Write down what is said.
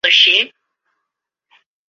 北接番禺区。